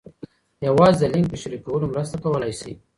یوازې د لینک په شریکولو مرسته کولای سئ.